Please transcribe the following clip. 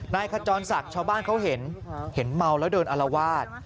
ขจรศักดิ์ชาวบ้านเขาเห็นเห็นเมาแล้วเดินอารวาส